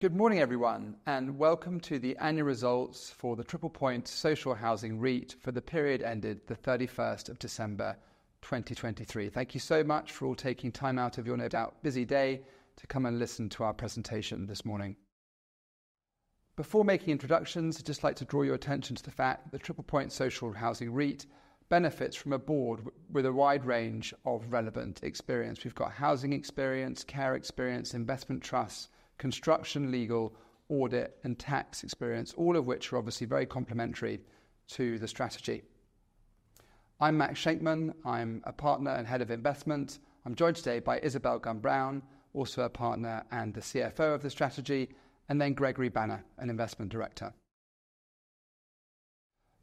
Good morning, everyone, and welcome to the annual results for the Triple Point Social Housing REIT for the period ended the 31st of December, 2023. Thank you so much for all taking time out of your, no doubt, busy day to come and listen to our presentation this morning. Before making introductions, I'd just like to draw your attention to the fact that the Triple Point Social Housing REIT benefits from a board with a wide range of relevant experience. We've got housing experience, care experience, investment trusts, construction, legal, audit, and tax experience, all of which are obviously very complementary to the strategy. I'm Max Shenkman. I'm a partner and head of investment. I'm joined today by Isobel Gunn-Brown, also a partner and the CFO of the strategy, and then Gregory Banner, an investment director.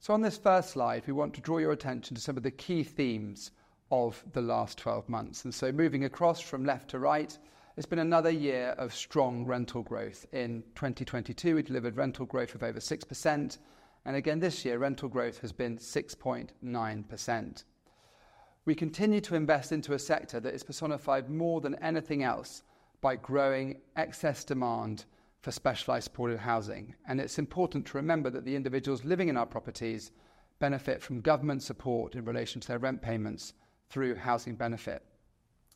On this first slide, we want to draw your attention to some of the key themes of the last 12 months. Moving across from left to right, it's been another year of strong rental growth. In 2022, we delivered rental growth of over 6%, and again, this year, rental growth has been 6.9%. We continue to invest into a sector that is personified more than anything else by growing excess demand for specialized supported housing, and it's important to remember that the individuals living in our properties benefit from government support in relation to their rent payments through Housing Benefit.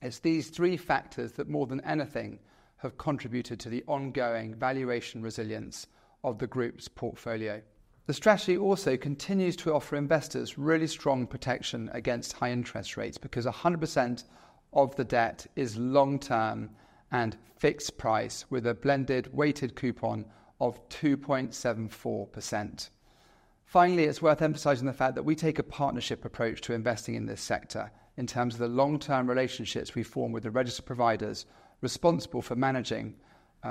It's these three factors that, more than anything, have contributed to the ongoing valuation resilience of the group's portfolio. The strategy also continues to offer investors really strong protection against high interest rates, because 100% of the debt is long-term and fixed price, with a blended weighted coupon of 2.74%. Finally, it's worth emphasizing the fact that we take a partnership approach to investing in this sector in terms of the long-term relationships we form with the registered providers responsible for managing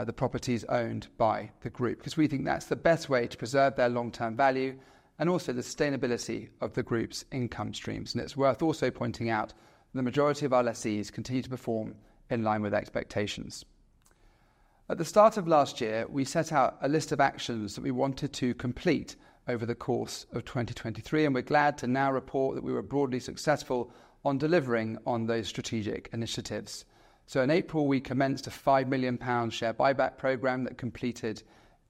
the properties owned by the group, 'cause we think that's the best way to preserve their long-term value and also the sustainability of the group's income streams. It's worth also pointing out the majority of our lessees continue to perform in line with expectations. At the start of last year, we set out a list of actions that we wanted to complete over the course of 2023, and we're glad to now report that we were broadly successful on delivering on those strategic initiatives. So in April, we commenced a 5 million pound share buyback program that completed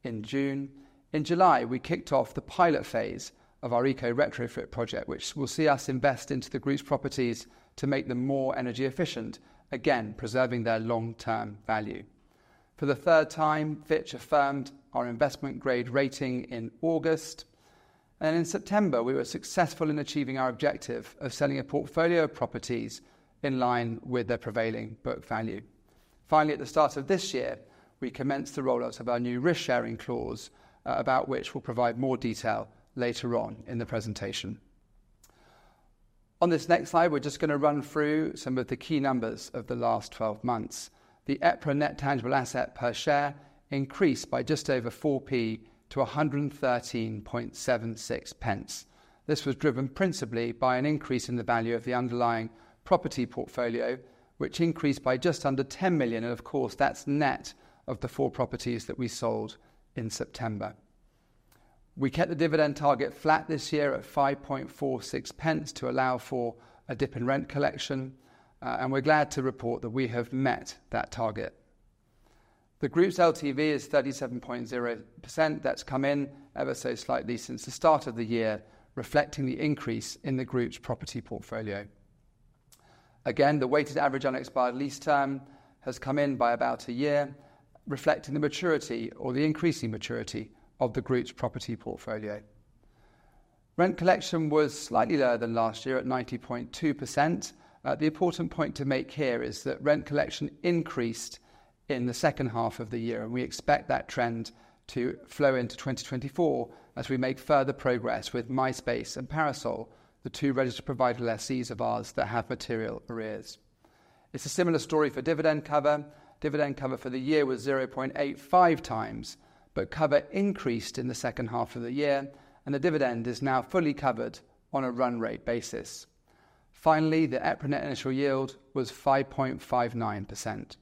in June. In July, we kicked off the pilot phase of our eco retrofit project, which will see us invest into the group's properties to make them more energy efficient, again, preserving their long-term value. For the third time, Fitch affirmed our investment grade rating in August, and in September, we were successful in achieving our objective of selling a portfolio of properties in line with their prevailing book value. Finally, at the start of this year, we commenced the rollout of our new risk-sharing clause, about which we'll provide more detail later on in the presentation. On this next slide, we're just going to run through some of the key numbers of the last 12 months. The EPRA net tangible asset per share increased by just over 0.04 to 113.76. This was driven principally by an increase in the value of the underlying property portfolio, which increased by just under 10 million, and of course, that's net of the four properties that we sold in September. We kept the dividend target flat this year at 5.46 to allow for a dip in rent collection, and we're glad to report that we have met that target. The group's LTV is 37.0%. That's come in ever so slightly since the start of the year, reflecting the increase in the group's property portfolio. Again, the weighted average unexpired lease term has come in by about a year, reflecting the maturity or the increasing maturity of the group's property portfolio. Rent collection was slightly lower than last year at 90.2%. The important point to make here is that rent collection increased in the second half of the year, and we expect that trend to flow into 2024 as we make further progress with MySpace and Parasol, the two Registered Provider lessees of ours that have material arrears. It's a similar story for dividend cover. Dividend cover for the year was 0.85x, but cover increased in the second half of the year, and the dividend is now fully covered on a run rate basis. Finally, the EPRA Net Initial Yield was 5.59%.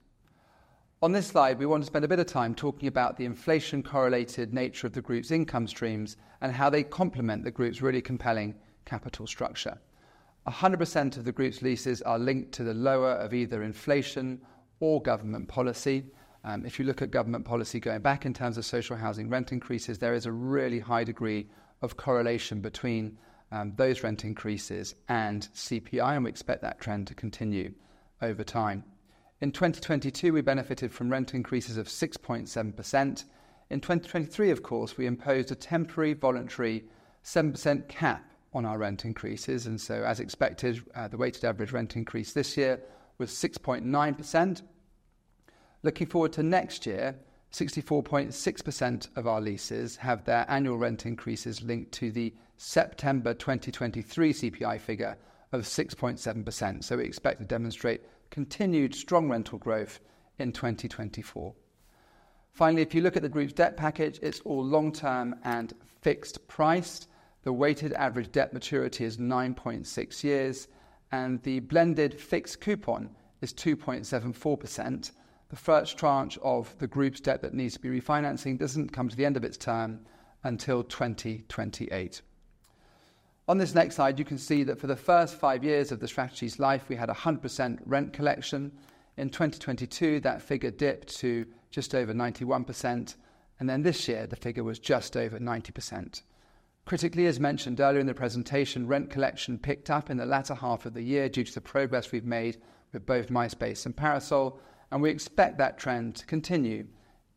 On this slide, we want to spend a bit of time talking about the inflation-correlated nature of the group's income streams and how they complement the group's really compelling capital structure. 100% of the group's leases are linked to the lower of either inflation or government policy. If you look at government policy going back in terms of social housing rent increases, there is a really high degree of correlation between those rent increases and CPI, and we expect that trend to continue over time. In 2022, we benefited from rent increases of 6.7%. In 2023, of course, we imposed a temporary voluntary 7% cap on our rent increases, and so as expected, the weighted average rent increase this year was 6.9%. Looking forward to next year, 64.6% of our leases have their annual rent increases linked to the September 2023 CPI figure of 6.7%, so we expect to demonstrate continued strong rental growth in 2024. Finally, if you look at the group's debt package, it's all long-term and fixed price. The weighted average debt maturity is 9.6 years, and the blended fixed coupon is 2.74%. The first tranche of the group's debt that needs to be refinancing doesn't come to the end of its term until 2028. On this next slide, you can see that for the first five years of the strategy's life, we had 100% rent collection. In 2022, that figure dipped to just over 91%, and then this year, the figure was just over 90%. Critically, as mentioned earlier in the presentation, rent collection picked up in the latter half of the year due to the progress we've made with both MySpace and Parasol, and we expect that trend to continue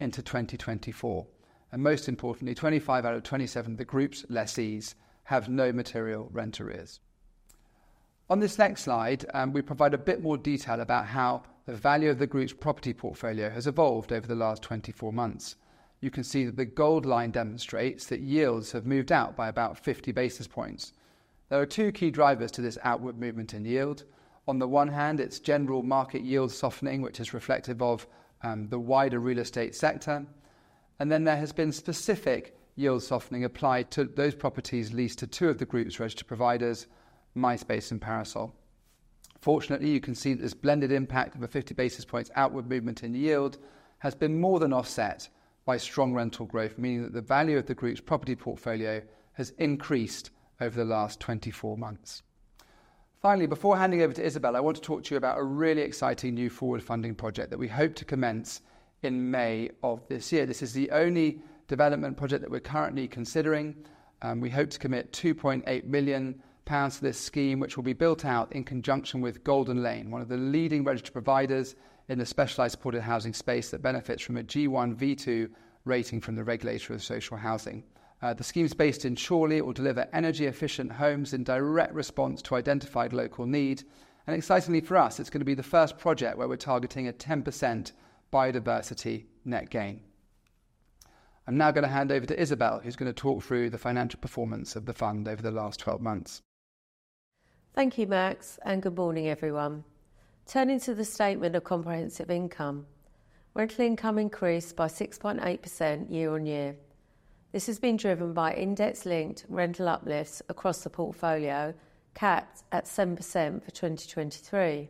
into 2024. And most importantly, 25 out of 27 of the group's lessees have no material rent arrears. On this next slide, we provide a bit more detail about how the value of the group's property portfolio has evolved over the last 24 months. You can see that the gold line demonstrates that yields have moved out by about 50 basis points. There are two key drivers to this outward movement in yield. On the one hand, it's general market yield softening, which is reflective of the wider real estate sector, and then there has been specific yield softening applied to those properties leased to two of the group's registered providers, MySpace and Parasol. Fortunately, you can see that this blended impact of a 50 basis points outward movement in yield has been more than offset by strong rental growth, meaning that the value of the group's property portfolio has increased over the last 24 months. Finally, before handing over to Isabelle, I want to talk to you about a really exciting new forward funding project that we hope to commence in May of this year. This is the only development project that we're currently considering. We hope to commit 2.8 million pounds to this scheme, which will be built out in conjunction with Golden Lane, one of the leading registered providers in the specialized supported housing space that benefits from a G1 V2 rating from the Regulator of Social Housing. The scheme is based in Chorley. It will deliver energy-efficient homes in direct response to identified local need, and excitingly for us, it's gonna be the first project where we're targeting a 10% Biodiversity Net Gain. I'm now gonna hand over to Isabelle, who's gonna talk through the financial performance of the fund over the last twelve months. Thank you, Max, and good morning, everyone. Turning to the statement of comprehensive income. Rental income increased by 6.8% year-on-year. This has been driven by index-linked rental uplifts across the portfolio, capped at 7% for 2023.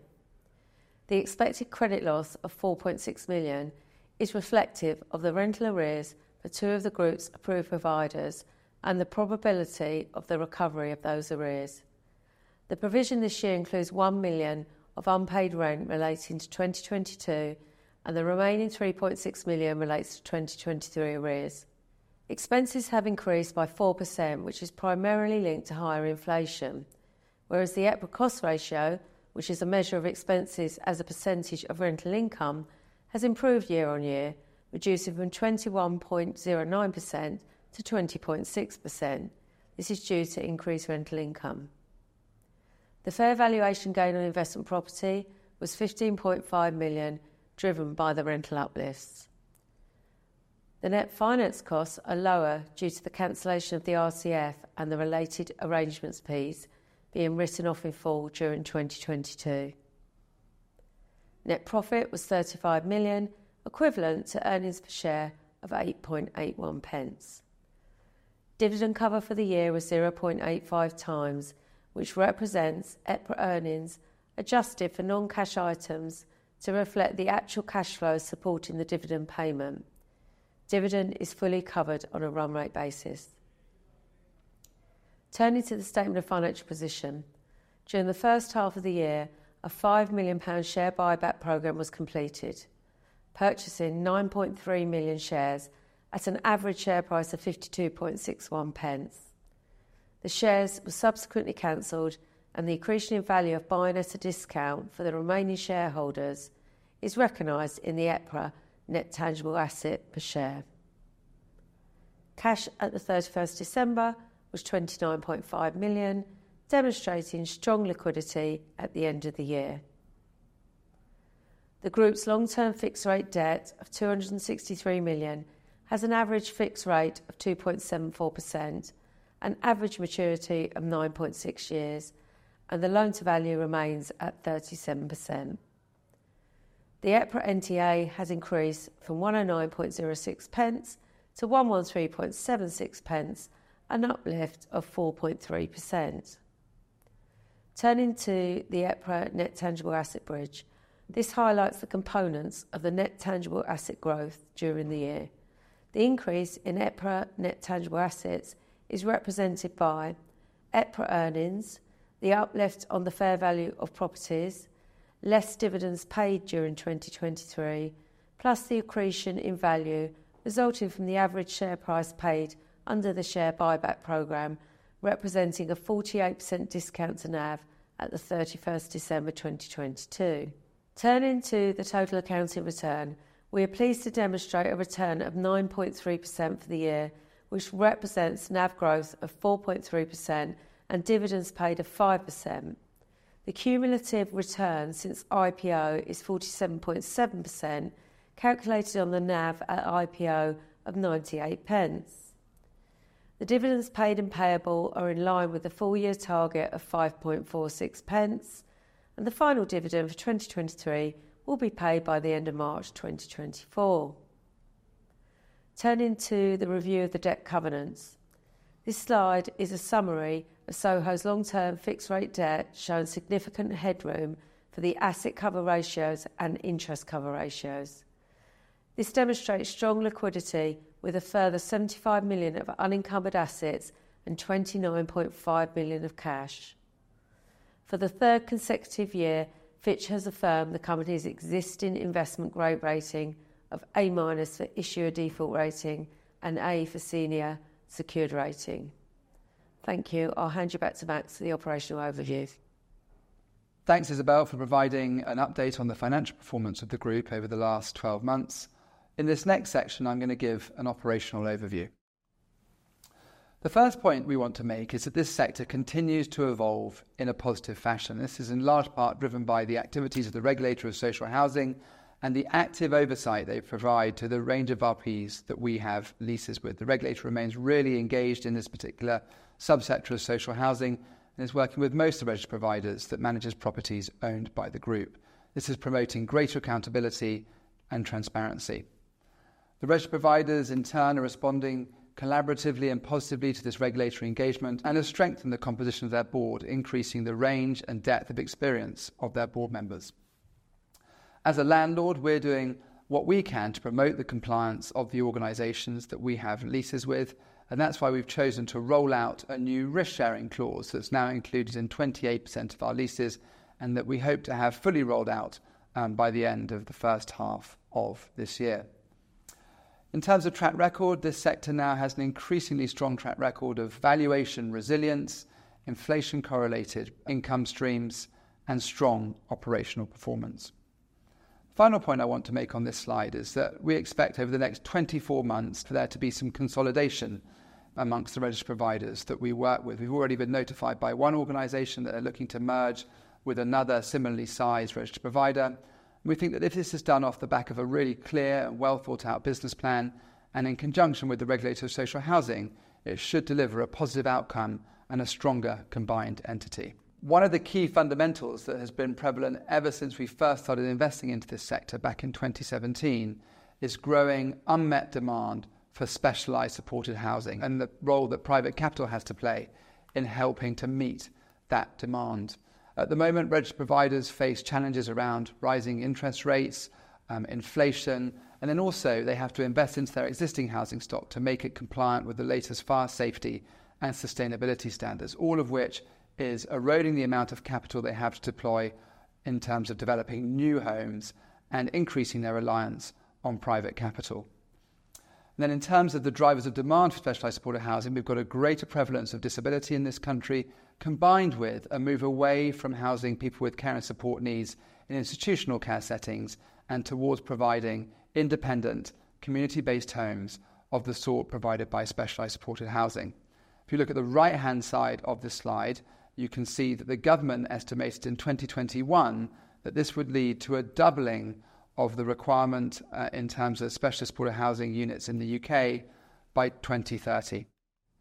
The expected credit loss of 4.6 million is reflective of the rental arrears for two of the group's approved providers and the probability of the recovery of those arrears. The provision this year includes 1 million of unpaid rent relating to 2022, and the remaining 3.6 million relates to 2023 arrears. Expenses have increased by 4%, which is primarily linked to higher inflation, whereas the EPRA cost ratio, which is a measure of expenses as a percentage of rental income, has improved year-on-year, reducing from 21.09% to 20.6%. This is due to increased rental income. The fair valuation gain on investment property was 15.5 million, driven by the rental uplifts. The net finance costs are lower due to the cancellation of the RCF and the related arrangements fees being written off in full during 2022. Net profit was 35 million, equivalent to earnings per share of 8.81. Dividend cover for the year was 0.85x, which represents EPRA earnings, adjusted for non-cash items to reflect the actual cash flow supporting the dividend payment. Dividend is fully covered on a run rate basis. Turning to the statement of financial position. During the first half of the year, a 5 million pound share buyback program was completed, purchasing 9.3 million shares at an average share price of 52.61. The shares were subsequently canceled, and the accretion in value of buying at a discount for the remaining shareholders is recognized in the EPRA net tangible asset per share. Cash at the 31 December was 29.5 million, demonstrating strong liquidity at the end of the year. The group's long-term fixed rate debt of 263 million has an average fixed rate of 2.74%, an average maturity of 9.6 years, and the loan to value remains at 37%. The EPRA NTA has increased from 109.06 to 113.76, an uplift of 4.3%. Turning to the EPRA net tangible asset bridge. This highlights the components of the net tangible asset growth during the year. The increase in EPRA net tangible assets is represented by EPRA earnings, the uplift on the fair value of properties, less dividends paid during 2023, plus the accretion in value resulting from the average share price paid under the share buyback program, representing a 48% discount to NAV at the 31 December, 2022. Turning to the total accounting return. We are pleased to demonstrate a return of 9.3% for the year, which represents NAV growth of 4.3% and dividends paid of 5%. The cumulative return since IPO is 47.7%, calculated on the NAV at IPO of 0.98. The dividends paid and payable are in line with the full-year target of 5.46, and the final dividend for 2023 will be paid by the end of March 2024. Turning to the review of the debt covenants. This slide is a summary of Social's long-term fixed rate debt, showing significant headroom for the asset cover ratios and interest cover ratios... This demonstrates strong liquidity, with a further 75 million of unencumbered assets and 29.5 billion of cash. For the third consecutive year, Fitch has affirmed the company's existing investment grade rating of A- for issuer default rating and A for senior secured rating. Thank you. I'll hand you back to Max for the operational overview. Thanks, Isabelle, for providing an update on the financial performance of the group over the last 12 months. In this next section, I'm going to give an operational overview. The first point we want to make is that this sector continues to evolve in a positive fashion. This is in large part driven by the activities of the Regulator of Social Housing and the active oversight they provide to the range of RPs that we have leases with. The Regulator remains really engaged in this particular sub-sector of social housing and is working with most Registered Providers that manages properties owned by the group. This is promoting greater accountability and transparency. The Registered Providers, in turn, are responding collaboratively and positively to this regulatory engagement and have strengthened the composition of their board, increasing the range and depth of experience of their board members. As a landlord, we're doing what we can to promote the compliance of the organizations that we have leases with, and that's why we've chosen to roll out a new risk-sharing clause that's now included in 28% of our leases and that we hope to have fully rolled out by the end of the first half of this year. In terms of track record, this sector now has an increasingly strong track record of valuation resilience, inflation-correlated income streams, and strong operational performance. Final point I want to make on this slide is that we expect over the next 24 months for there to be some consolidation amongst the registered providers that we work with. We've already been notified by one organization that are looking to merge with another similarly sized registered provider. We think that if this is done off the back of a really clear and well-thought-out business plan, and in conjunction with the Regulator of Social Housing, it should deliver a positive outcome and a stronger combined entity. One of the key fundamentals that has been prevalent ever since we first started investing into this sector back in 2017, is growing unmet demand for specialized supported housing and the role that private capital has to play in helping to meet that demand. At the moment, registered providers face challenges around rising interest rates, inflation, and then also they have to invest into their existing housing stock to make it compliant with the latest fire safety and sustainability standards, all of which is eroding the amount of capital they have to deploy in terms of developing new homes and increasing their reliance on private capital. Then, in terms of the drivers of demand for specialised supported housing, we've got a greater prevalence of disability in this country, combined with a move away from housing people with care and support needs in institutional care settings and towards providing independent, community-based homes of the sort provided by specialised supported housing. If you look at the right-hand side of this slide, you can see that the government estimated in 2021 that this would lead to a doubling of the requirement in terms of specialised supported housing units in the UK by 2030.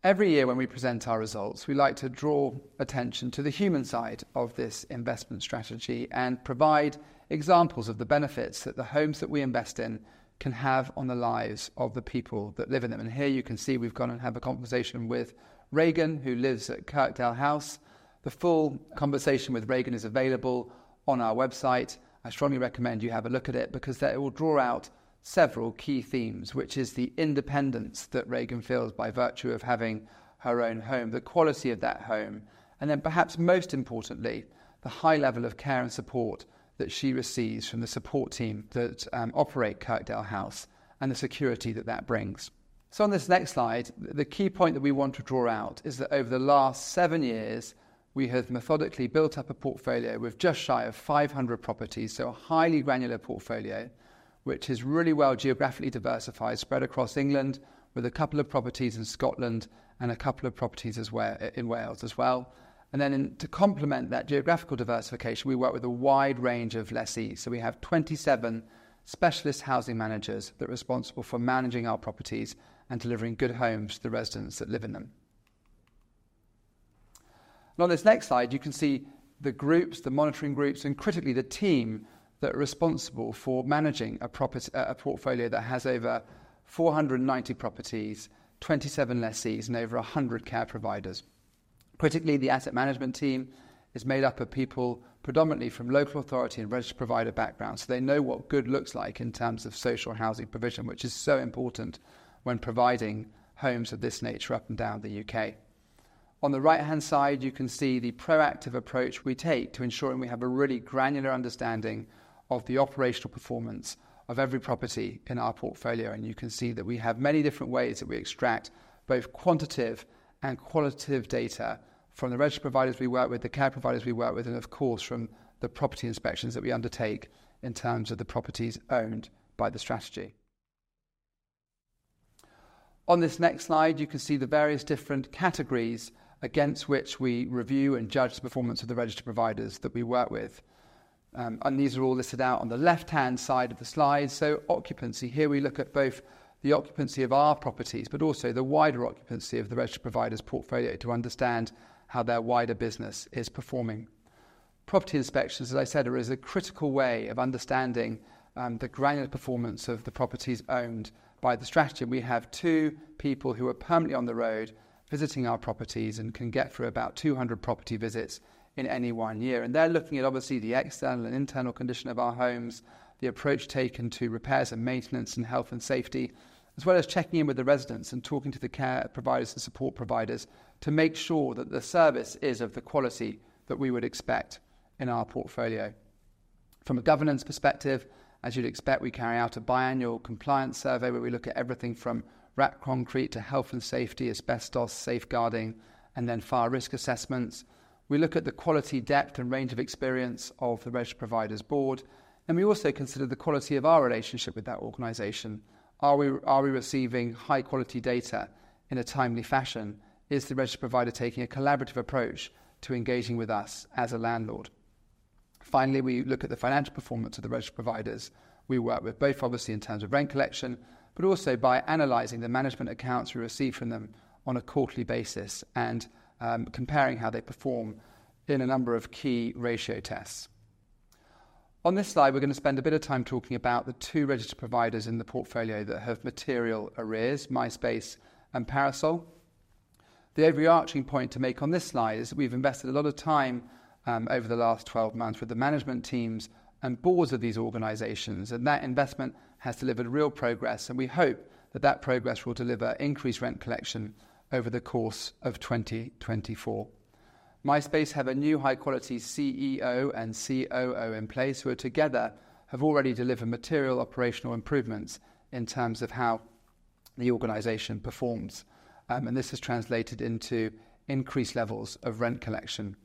Every year when we present our results, we like to draw attention to the human side of this investment strategy and provide examples of the benefits that the homes that we invest in can have on the lives of the people that live in them. Here you can see we've gone and had a conversation with Reagan, who lives at Kirkdale House. The full conversation with Reagan is available on our website. I strongly recommend you have a look at it, because it will draw out several key themes, which is the independence that Reagan feels by virtue of having her own home, the quality of that home, and then, perhaps most importantly, the high level of care and support that she receives from the support team that operate Kirkdale House and the security that that brings. So on this next slide, the key point that we want to draw out is that over the last seven years, we have methodically built up a portfolio with just shy of 500 properties, so a highly granular portfolio, which is really well geographically diversified, spread across England, with a couple of properties in Scotland and a couple of properties as well in Wales as well. And then to complement that geographical diversification, we work with a wide range of lessees. So we have 27 specialist housing managers that are responsible for managing our properties and delivering good homes to the residents that live in them. On this next slide, you can see the groups, the monitoring groups, and critically, the team that are responsible for managing a portfolio that has over 490 properties, 27 lessees, and over 100 care providers. Critically, the asset management team is made up of people predominantly from local authority and registered provider backgrounds, so they know what good looks like in terms of social housing provision, which is so important when providing homes of this nature up and down the UK. On the right-hand side, you can see the proactive approach we take to ensuring we have a really granular understanding of the operational performance of every property in our portfolio, and you can see that we have many different ways that we extract both quantitative and qualitative data from the registered providers we work with, the care providers we work with, and of course, from the property inspections that we undertake in terms of the properties owned by the strategy. On this next slide, you can see the various different categories against which we review and judge the performance of the registered providers that we work with. These are all listed out on the left-hand side of the slide. So occupancy, here we look at both the occupancy of our properties, but also the wider occupancy of the registered providers' portfolio to understand how their wider business is performing. Property inspections, as I said, are a critical way of understanding the granular performance of the properties owned by the strategy. We have two people who are permanently on the road visiting our properties and can get through about 200 property visits in any one year. And they're looking at, obviously, the external and internal condition of our homes, the approach taken to repairs and maintenance and health and safety, as well as checking in with the residents and talking to the care providers and support providers to make sure that the service is of the quality that we would expect in our portfolio. From a governance perspective, as you'd expect, we carry out a biannual compliance survey, where we look at everything from wrapped concrete to health and safety, asbestos, safeguarding, and then fire risk assessments. We look at the quality, depth, and range of experience of the Registered Provider's board, and we also consider the quality of our relationship with that organization. Are we, are we receiving high-quality data in a timely fashion? Is the Registered Provider taking a collaborative approach to engaging with us as a landlord? Finally, we look at the financial performance of the registered providers we work with, both obviously in terms of rent collection, but also by analyzing the management accounts we receive from them on a quarterly basis and, comparing how they perform in a number of key ratio tests. On this slide, we're going to spend a bit of time talking about the two registered providers in the portfolio that have material arrears, MySpace and Parasol. The overarching point to make on this slide is we've invested a lot of time, over the last 12 months with the management teams and boards of these organizations, and that investment has delivered real progress, and we hope that that progress will deliver increased rent collection over the course of 2024. MySpace have a new high-quality CEO and COO in place, who are together, have already delivered material operational improvements in terms of how the organization performs. This has translated into increased levels of rent collection.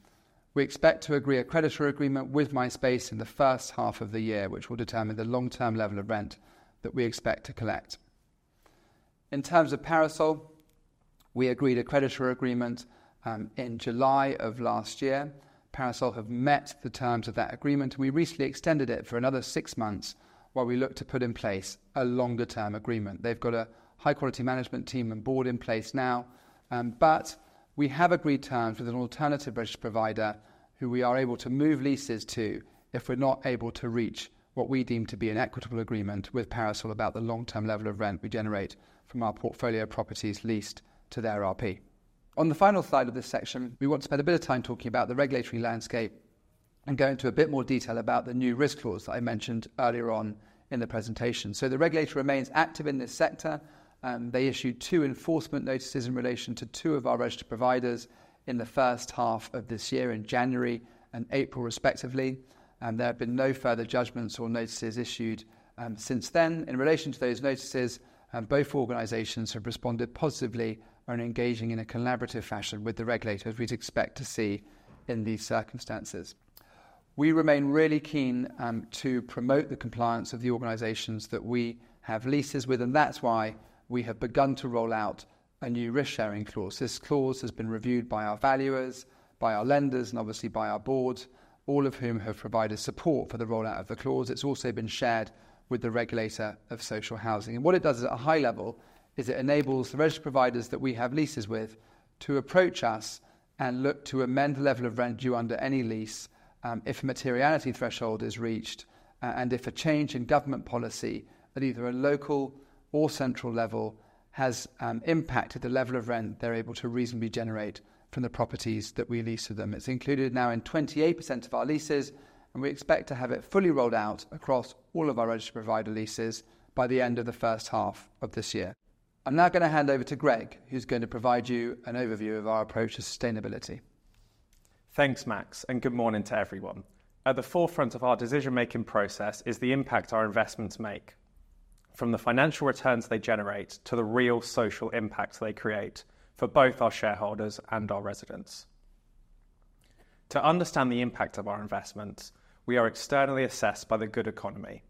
We expect to agree a creditor agreement with MySpace in the first half of the year, which will determine the long-term level of rent that we expect to collect. In terms of Parasol, we agreed a creditor agreement in July of last year. Parasol have met the terms of that agreement. We recently extended it for another six months while we look to put in place a longer-term agreement. They've got a high-quality management team and board in place now, but we have agreed terms with an alternative registered provider who we are able to move leases to if we're not able to reach what we deem to be an equitable agreement with Parasol about the long-term level of rent we generate from our portfolio properties leased to their RP. On the final slide of this section, we want to spend a bit of time talking about the regulatory landscape and go into a bit more detail about the new risk clause that I mentioned earlier on in the presentation. So the regulator remains active in this sector. They issued two enforcement notices in relation to two of our registered providers in the first half of this year, in January and April, respectively, and there have been no further judgments or notices issued since then. In relation to those notices, both organizations have responded positively and are engaging in a collaborative fashion with the regulator, as we'd expect to see in these circumstances. We remain really keen, to promote the compliance of the organizations that we have leases with, and that's why we have begun to roll out a new risk-sharing clause. This clause has been reviewed by our valuers, by our lenders, and obviously by our board, all of whom have provided support for the rollout of the clause. It's also been shared with the Regulator of Social Housing. And what it does is, at a high level, is it enables the Registered Providers that we have leases with to approach us and look to amend the level of rent due under any lease, if a materiality threshold is reached, and if a change in government policy, at either a local or central level, has impacted the level of rent they're able to reasonably generate from the properties that we lease to them. It's included now in 28% of our leases, and we expect to have it fully rolled out across all of our Registered Provider leases by the end of the first half of this year. I'm now going to hand over to Greg, who's going to provide you an overview of our approach to sustainability. Thanks, Max, and good morning to everyone. At the forefront of our decision-making process is the impact our investments make, from the financial returns they generate to the real social impact they create for both our shareholders and our residents. To understand the impact of our investments, we are externally assessed by The Good Economy,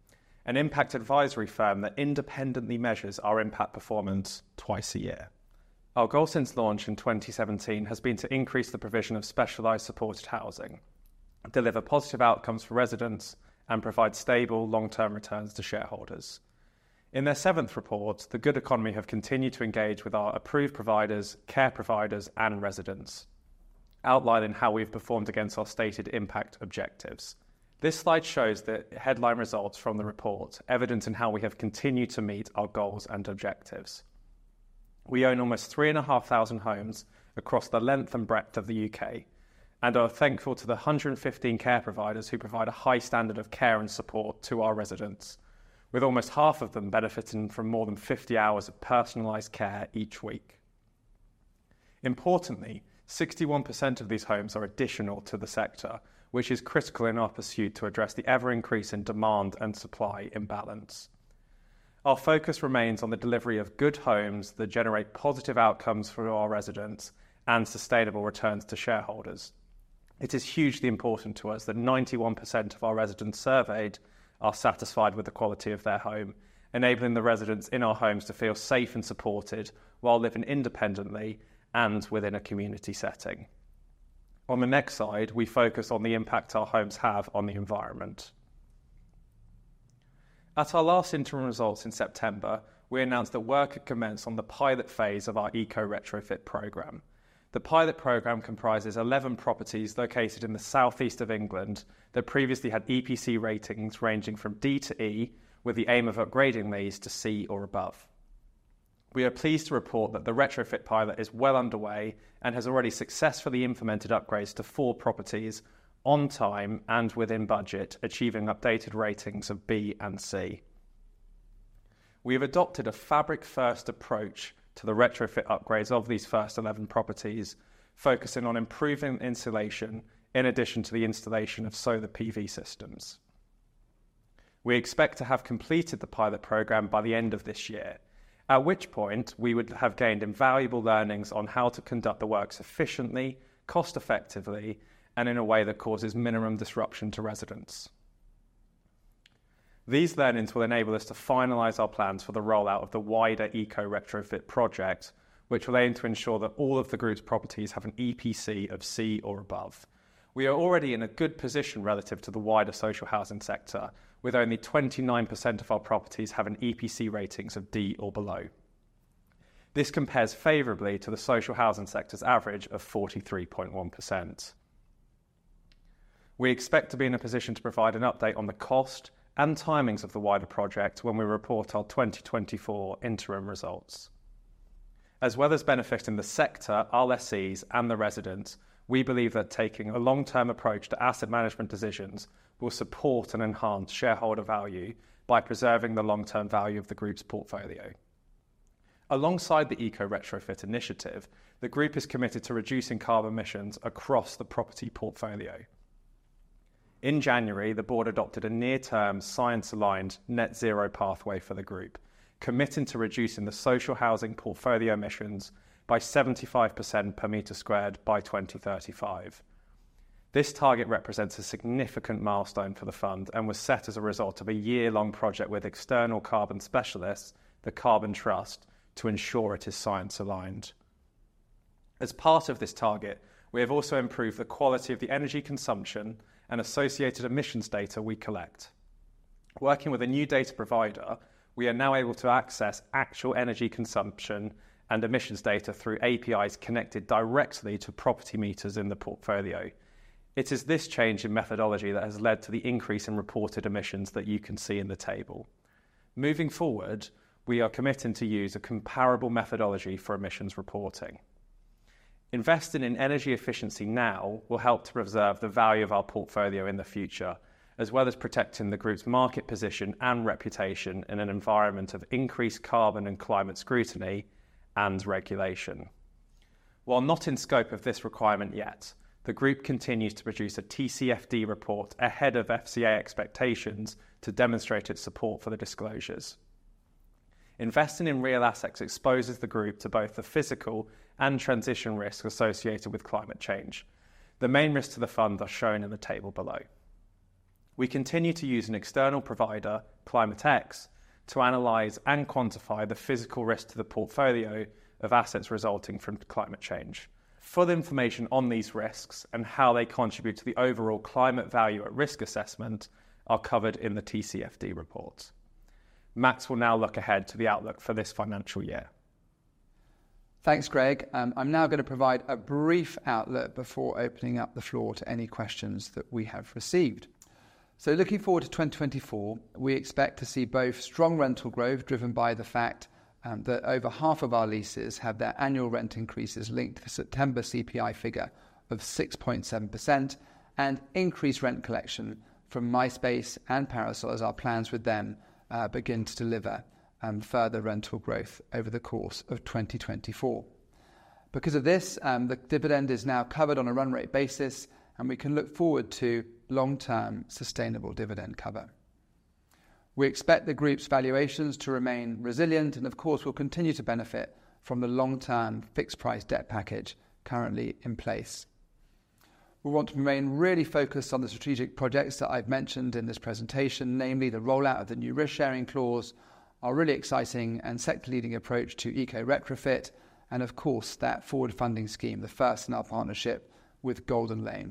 an impact advisory firm that independently measures our impact performance twice a year. Our goal since launch in 2017 has been to increase the provision of specialized supported housing, deliver positive outcomes for residents, and provide stable, long-term returns to shareholders. In their seventh report, The Good Economy have continued to engage with our approved providers, care providers, and residents, outlining how we've performed against our stated impact objectives. This slide shows the headline results from the report, evidencing how we have continued to meet our goals and objectives. We own almost 3,500 homes across the length and breadth of the UK and are thankful to the 115 care providers who provide a high standard of care and support to our residents, with almost half of them benefiting from more than 50 hours of personalized care each week. Importantly, 61% of these homes are additional to the sector, which is critical in our pursuit to address the ever-increasing demand and supply imbalance. Our focus remains on the delivery of good homes that generate positive outcomes for our residents and sustainable returns to shareholders. It is hugely important to us that 91% of our residents surveyed are satisfied with the quality of their home, enabling the residents in our homes to feel safe and supported while living independently and within a community setting. On the next slide, we focus on the impact our homes have on the environment.... At our last interim results in September, we announced that work had commenced on the pilot phase of our eco retrofit program. The pilot program comprises 11 properties located in the Southeast England that previously had EPC ratings ranging from D to E, with the aim of upgrading these to C or above. We are pleased to report that the retrofit pilot is well underway and has already successfully implemented upgrades to 4 properties on time and within budget, achieving updated ratings of B and C. We have adopted a fabric-first approach to the retrofit upgrades of these first 11 properties, focusing on improving insulation in addition to the installation of solar PV systems. We expect to have completed the pilot program by the end of this year, at which point we would have gained invaluable learnings on how to conduct the works efficiently, cost-effectively, and in a way that causes minimum disruption to residents. These learnings will enable us to finalize our plans for the rollout of the wider eco retrofit project, which will aim to ensure that all of the group's properties have an EPC of C or above. We are already in a good position relative to the wider social housing sector, with only 29% of our properties have an EPC ratings of D or below. This compares favorably to the social housing sector's average of 43.1%. We expect to be in a position to provide an update on the cost and timings of the wider project when we report our 2024 interim results. As well as benefiting the sector, our lessees and the residents, we believe that taking a long-term approach to asset management decisions will support and enhance shareholder value by preserving the long-term value of the group's portfolio. Alongside the eco retrofit initiative, the group is committed to reducing carbon emissions across the property portfolio. In January, the board adopted a near-term, science-aligned net zero pathway for the group, committing to reducing the social housing portfolio emissions by 75% per square meter by 2035. This target represents a significant milestone for the fund and was set as a result of a year-long project with external carbon specialists, The Carbon Trust, to ensure it is science-aligned. As part of this target, we have also improved the quality of the energy consumption and associated emissions data we collect. Working with a new data provider, we are now able to access actual energy consumption and emissions data through APIs connected directly to property meters in the portfolio. It is this change in methodology that has led to the increase in reported emissions that you can see in the table. Moving forward, we are committing to use a comparable methodology for emissions reporting. Investing in energy efficiency now will help to preserve the value of our portfolio in the future, as well as protecting the group's market position and reputation in an environment of increased carbon and climate scrutiny and regulation. While not in scope of this requirement yet, the group continues to produce a TCFD report ahead of FCA expectations to demonstrate its support for the disclosures. Investing in real assets exposes the group to both the physical and transition risks associated with climate change. The main risks to the fund are shown in the table below. We continue to use an external provider, Climate X, to analyze and quantify the physical risk to the portfolio of assets resulting from climate change. Further information on these risks and how they contribute to the overall climate value at risk assessment are covered in the TCFD report. Max will now look ahead to the outlook for this financial year. Thanks, Greg. I'm now going to provide a brief outlook before opening up the floor to any questions that we have received. Looking forward to 2024, we expect to see both strong rental growth, driven by the fact that over half of our leases have their annual rent increases linked to the September CPI figure of 6.7%, and increased rent collection from MySpace and Parasol as our plans with them begin to deliver further rental growth over the course of 2024. Because of this, the dividend is now covered on a run rate basis, and we can look forward to long-term sustainable dividend cover. We expect the group's valuations to remain resilient and, of course, will continue to benefit from the long-term fixed price debt package currently in place. We want to remain really focused on the strategic projects that I've mentioned in this presentation, namely the rollout of the new risk-sharing clause, our really exciting and sector-leading approach to eco retrofit, and of course, that forward funding scheme, the first in our partnership with Golden Lane.